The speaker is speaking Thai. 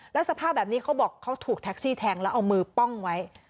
แล้วสภาพแบบนี้เขาบอกเขาถูกแท็กซี่แทงแล้วเอามือป้องไว้